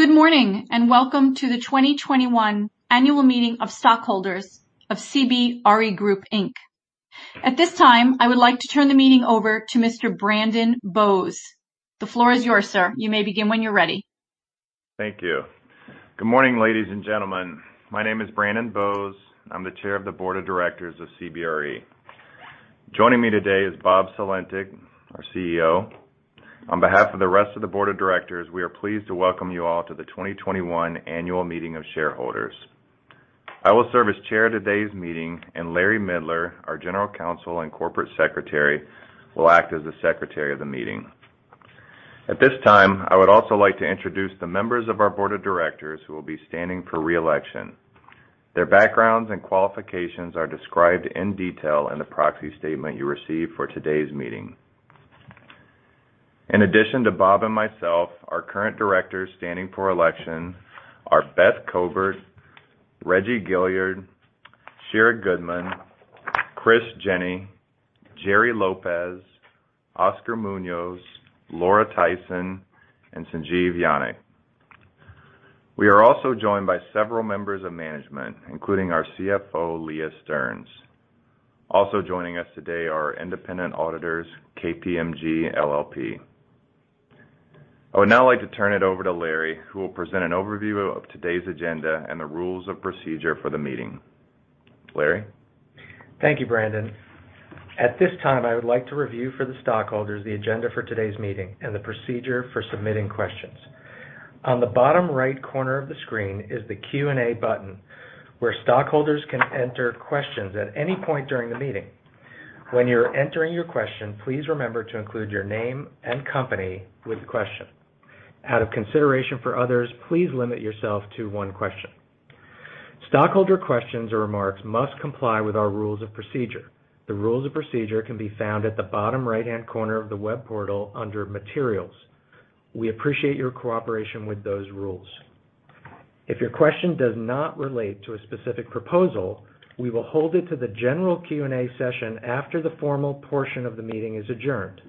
Good morning, welcome to the 2021 annual meeting of stockholders of CBRE Group, Inc. At this time, I would like to turn the meeting over to Mr. Brandon Boze. The floor is yours, sir. You may begin when you're ready. Thank you. Good morning, ladies and gentlemen. My name is Brandon Boze. I'm the chair of the board of directors of CBRE. Joining me today is Bob Sulentic, our CEO. On behalf of the rest of the board of directors, we are pleased to welcome you all to the 2021 annual meeting of shareholders. I will serve as chair of today's meeting, and Larry Midler, our general counsel and corporate secretary, will act as the secretary of the meeting. At this time, I would also like to introduce the members of our board of directors who will be standing for re-election. Their backgrounds and qualifications are described in detail in the proxy statement you received for today's meeting. In addition to Bob and myself, our current directors standing for election are Beth Cobert, Reggie Gilyard, Shira Goodman, Chris Jenny, Gerry Lopez, Oscar Munoz, Laura Tyson, and Sanjiv Yajnik. We are also joined by several members of management, including our CFO, Leah Stearns. Also joining us today are our independent auditors, KPMG LLP. I would now like to turn it over to Larry, who will present an overview of today's agenda and the rules of procedure for the meeting. Larry? Thank you, Brandon. At this time, I would like to review for the stockholders the agenda for today's meeting and the procedure for submitting questions. On the bottom right corner of the screen is the Q&A button, where stockholders can enter questions at any point during the meeting. When you're entering your question, please remember to include your name and company with the question. Out of consideration for others, please limit yourself to one question. Stockholder questions or remarks must comply with our rules of procedure. The rules of procedure can be found at the bottom right-hand corner of the web portal under Materials. We appreciate your cooperation with those rules. If your question does not relate to a specific proposal, we will hold it to the general Q&A session after the formal portion of the meeting is adjourned.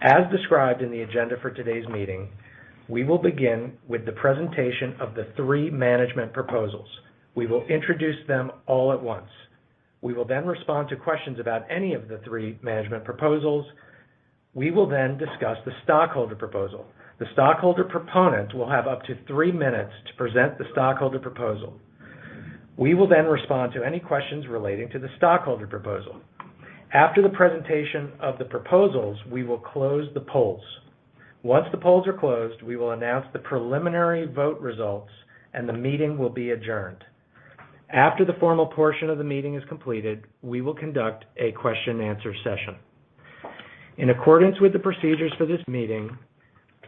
As described in the agenda for today's meeting, we will begin with the presentation of the three management proposals. We will introduce them all at once. We will respond to questions about any of the three management proposals. We will then discuss the stockholder proposal. The stockholder proponent will have up to three minutes to present the stockholder proposal. We will respond to any questions relating to the stockholder proposal. After the presentation of the proposals, we will close the polls. Once the polls are closed, we will announce the preliminary vote results, and the meeting will be adjourned. After the formal portion of the meeting is completed, we will conduct a question and answer session. In accordance with the procedures for this meeting,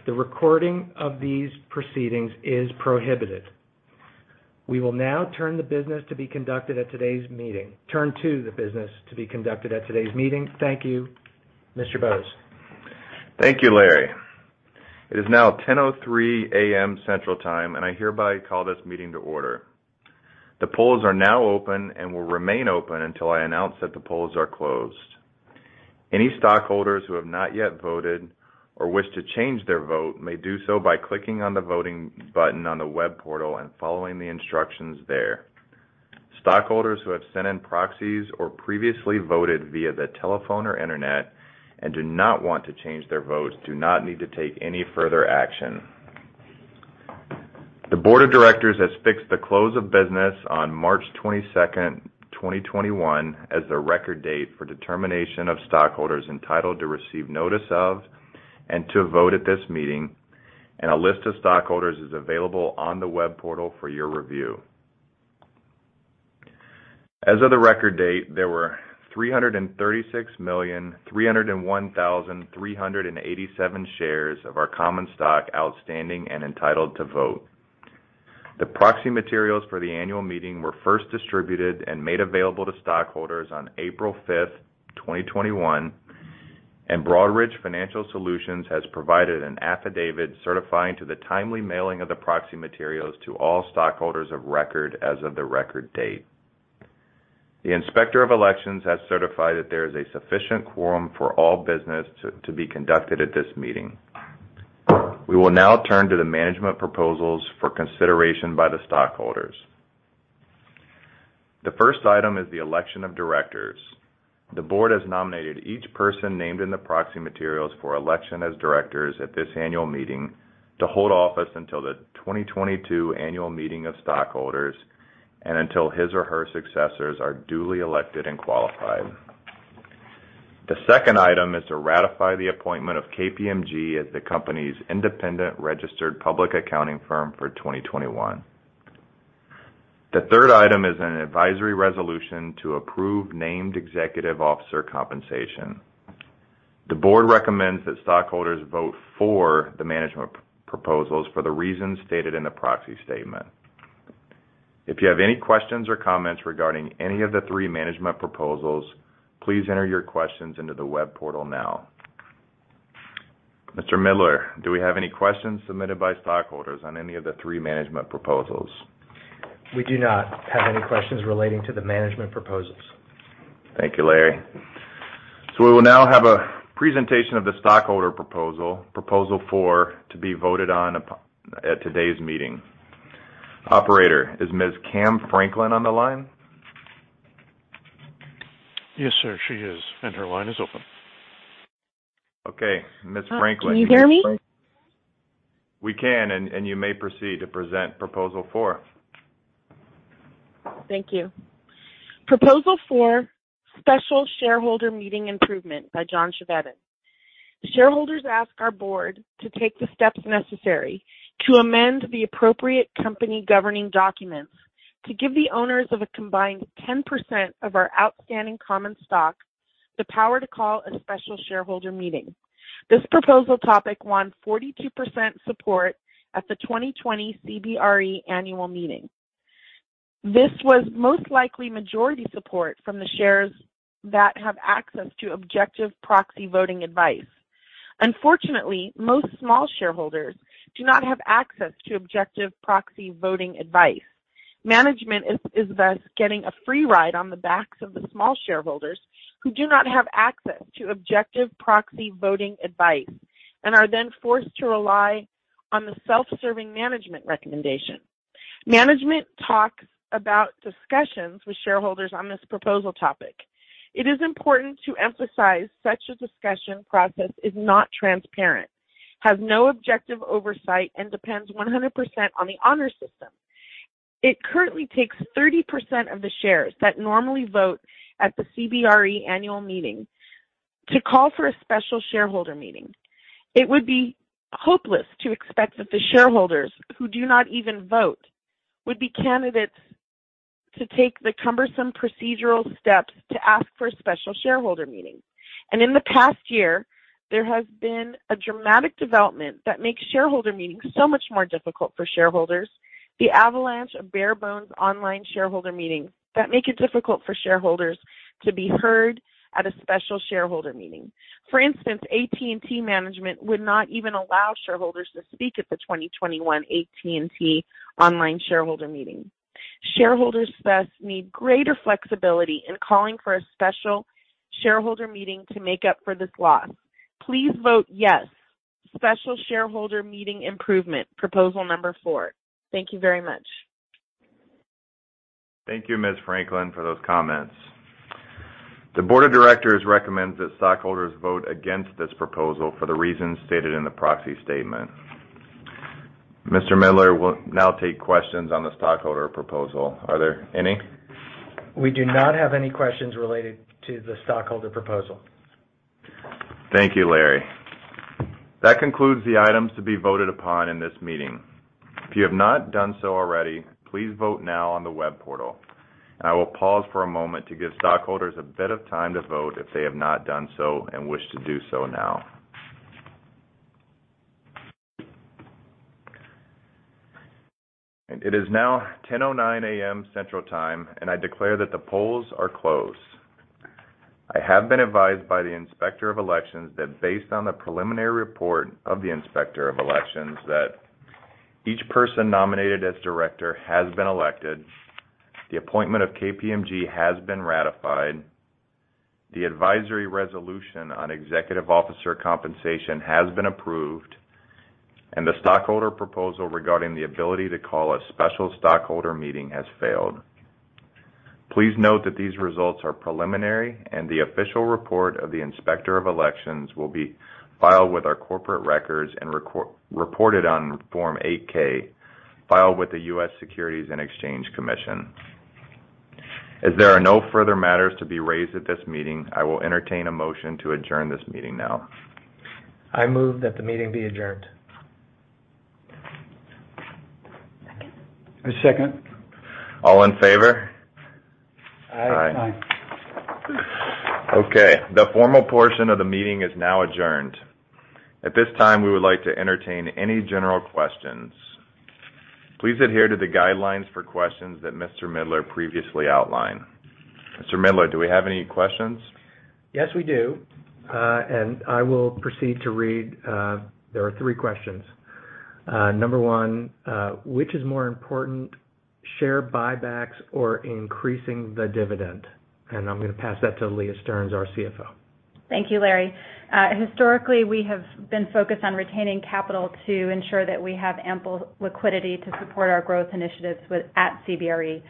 the recording of these proceedings is prohibited. We will now turn to the business to be conducted at today's meeting. Thank you. Mr. Boze. Thank you, Larry. It is now 10:03 A.M. Central Time. I hereby call this meeting to order. The polls are now open and will remain open until I announce that the polls are closed. Any stockholders who have not yet voted or wish to change their vote may do so by clicking on the voting button on the web portal and following the instructions there. Stockholders who have sent in proxies or previously voted via the telephone or internet and do not want to change their votes do not need to take any further action. The board of directors has fixed the close of business on March 22nd, 2021, as the record date for determination of stockholders entitled to receive notice of and to vote at this meeting. A list of stockholders is available on the web portal for your review. As of the record date, there were 336,301,387 shares of our common stock outstanding and entitled to vote. The proxy materials for the annual meeting were first distributed and made available to stockholders on April 5th, 2021, and Broadridge Financial Solutions has provided an affidavit certifying to the timely mailing of the proxy materials to all stockholders of record as of the record date. The Inspector of Elections has certified that there is a sufficient quorum for all business to be conducted at this meeting. We will now turn to the management proposals for consideration by the stockholders. The first item is the election of directors. The board has nominated each person named in the proxy materials for election as directors at this annual meeting to hold office until the 2022 annual meeting of stockholders and until his or her successors are duly elected and qualified. The second item is to ratify the appointment of KPMG as the company's independent registered public accounting firm for 2021. The third item is an advisory resolution to approve named executive officer compensation. The board recommends that stockholders vote for the management proposals for the reasons stated in the proxy statement. If you have any questions or comments regarding any of the three management proposals, please enter your questions into the web portal now. Mr. Midler, do we have any questions submitted by stockholders on any of the three management proposals? We do not have any questions relating to the management proposals. Thank you, Larry. We will now have a presentation of the stockholder proposal, Proposal four, to be voted on at today's meeting. Operator, is Ms. Cam Franklin on the line? Yes, sir, she is, and her line is open. Okay, Ms. Franklin. Can you hear me? We can, and you may proceed to present Proposal four. Thank you. Proposal four, special shareholder meeting improvement by John Chevedden. Shareholders ask our board to take the steps necessary to amend the appropriate company governing documents to give the owners of a combined 10% of our outstanding common stock the power to call a special shareholder meeting. This proposal topic won 42% support at the 2020 CBRE annual meeting. This was most likely majority support from the shares that have access to objective proxy voting advice. Unfortunately, most small shareholders do not have access to objective proxy voting advice. Management is thus getting a free ride on the backs of the small shareholders who do not have access to objective proxy voting advice and are then forced to rely on the self-serving management recommendation. Management talks about discussions with shareholders on this proposal topic. It is important to emphasize such a discussion process is not transparent, has no objective oversight, and depends 100% on the honor system. It currently takes 30% of the shares that normally vote at the CBRE annual meeting to call for a special shareholder meeting. It would be hopeless to expect that the shareholders who do not even vote would be candidates to take the cumbersome procedural steps to ask for a special shareholder meeting. In the past year, there has been a dramatic development that makes shareholder meetings so much more difficult for shareholders, the avalanche of bare bones online shareholder meetings that make it difficult for shareholders to be heard at a special shareholder meeting. For instance, AT&T management would not even allow shareholders to speak at the 2021 AT&T online shareholder meeting. Shareholders thus need greater flexibility in calling for a special shareholder meeting to make up for this loss. Please vote yes. Special shareholder meeting improvement, proposal number four. Thank you very much. Thank you, Ms. Franklin, for those comments. The board of directors recommends that stockholders vote against this proposal for the reasons stated in the proxy statement. Mr. Midler will now take questions on the stockholder proposal. Are there any? We do not have any questions related to the stockholder proposal. Thank you, Larry. That concludes the items to be voted upon in this meeting. If you have not done so already, please vote now on the web portal, and I will pause for a moment to give stockholders a bit of time to vote if they have not done so and wish to do so now. It is now 10:09 A.M. Central Time, and I declare that the polls are closed. I have been advised by the Inspector of Elections that based on the Preliminary Report of the Inspector of Elections, that each person nominated as director has been elected, the appointment of KPMG has been ratified, the advisory resolution on executive officer compensation has been approved, and the stockholder proposal regarding the ability to call a special stockholder meeting has failed. Please note that these results are preliminary, and the official report of the Inspector of Elections will be filed with our corporate records and reported on Form 8-K, filed with the U.S. Securities and Exchange Commission. As there are no further matters to be raised at this meeting, I will entertain a motion to adjourn this meeting now. I move that the meeting be adjourned. I second. All in favor? Aye. Aye. Okay. The formal portion of the meeting is now adjourned. At this time, we would like to entertain any general questions. Please adhere to the guidelines for questions that Mr. Midler previously outlined. Mr. Midler, do we have any questions? Yes, we do. I will proceed to read. There are three questions. Number one, which is more important, share buybacks or increasing the dividend? I'm going to pass that to Leah Stearns, our CFO. Thank you, Larry. Historically, we have been focused on retaining capital to ensure that we have ample liquidity to support our growth initiatives at CBRE.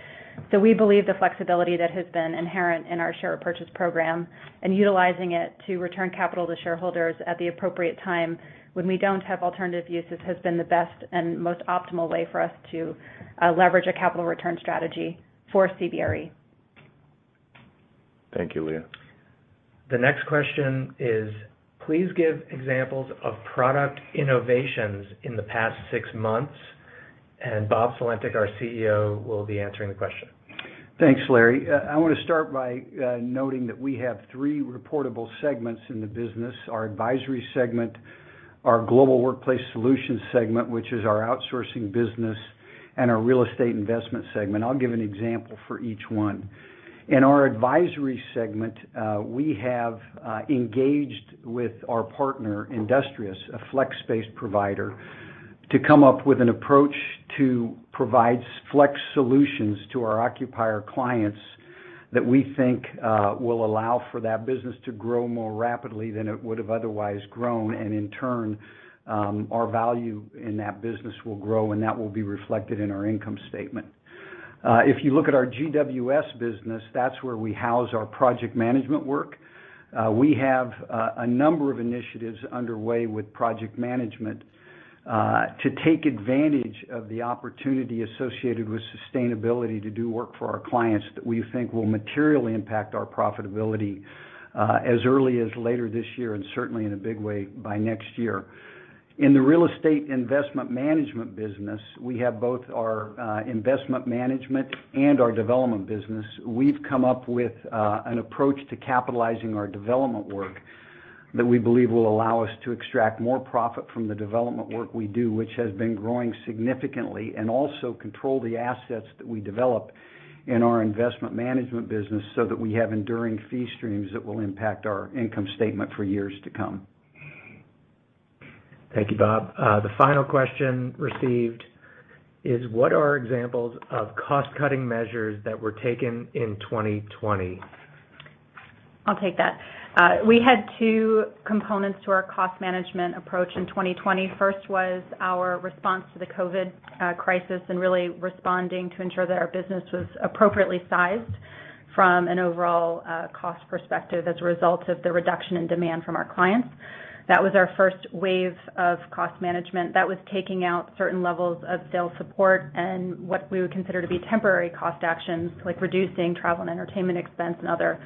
We believe the flexibility that has been inherent in our share purchase program and utilizing it to return capital to shareholders at the appropriate time when we don't have alternative uses has been the best and most optimal way for us to leverage a capital return strategy for CBRE. Thank you, Leah. The next question is, please give examples of product innovations in the past six months. Bob Sulentic, our CEO, will be answering the question. Thanks, Larry. I want to start by noting that we have three reportable segments in the business. Our Advisory Segment, our Global Workplace Solutions Segment, which is our outsourcing business, and our Real Estate Investment Segment. I'll give an example for each one. In our Advisory Segment, we have engaged with our partner, Industrious, a flex space provider to come up with an approach to provide flex solutions to our occupier clients that we think will allow for that business to grow more rapidly than it would have otherwise grown. In turn, our value in that business will grow, and that will be reflected in our income statement. If you look at our GWS business, that's where we house our project management work. We have a number of initiatives underway with Project Management to take advantage of the opportunity associated with sustainability to do work for our clients that we think will materially impact our profitability as early as later this year and certainly in a big way by next year. In the Real Estate Investment Management business, we have both our investment management and our development business. We've come up with an approach to capitalizing our development work that we believe will allow us to extract more profit from the development work we do, which has been growing significantly, and also control the assets that we develop in our investment management business so that we have enduring fee streams that will impact our income statement for years to come. Thank you, Bob. The final question received is, "What are examples of cost-cutting measures that were taken in 2020? I'll take that. We had two components to our cost management approach in 2020. First was our response to the COVID crisis and really responding to ensure that our business was appropriately sized from an overall cost perspective as a result of the reduction in demand from our clients. That was our first wave of cost management. That was taking out certain levels of sales support and what we would consider to be temporary cost actions, like reducing travel and entertainment expense and other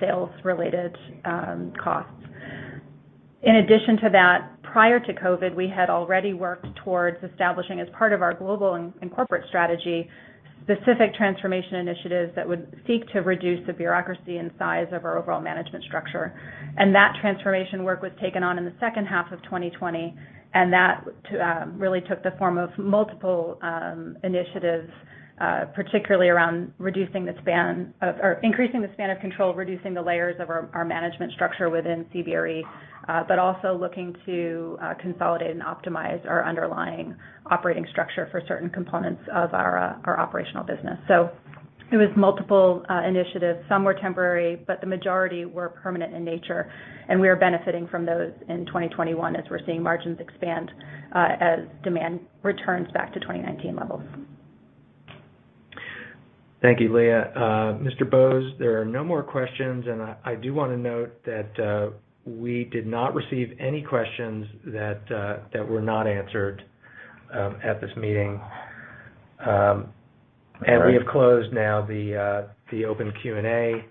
sales-related costs. In addition to that, prior to COVID, we had already worked towards establishing as part of our global and corporate strategy, specific transformation initiatives that would seek to reduce the bureaucracy and size of our overall management structure. That transformation work was taken on in the second half of 2020, and that really took the form of multiple initiatives, particularly around increasing the span of control, reducing the layers of our management structure within CBRE, but also looking to consolidate and optimize our underlying operating structure for certain components of our operational business. It was multiple initiatives. Some were temporary, but the majority were permanent in nature, and we are benefiting from those in 2021 as we're seeing margins expand as demand returns back to 2019 levels. Thank you, Leah. Mr. Boze, there are no more questions, and I do want to note that we did not receive any questions that were not answered at this meeting. We have closed now the open Q&A.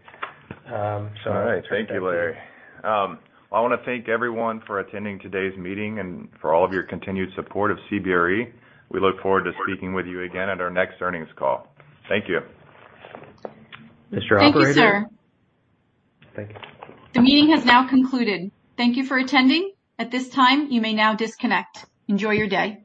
All right. Thank you, Larry. I want to thank everyone for attending today's meeting and for all of your continued support of CBRE. We look forward to speaking with you again at our next earnings call. Thank you. Mr. Operator? Thank you, sir. Okay. The meeting has now concluded. Thank you for attending. At this time, you may now disconnect. Enjoy your day.